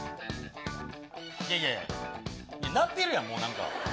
いやいやいや、鳴ってるやん、もうなんか。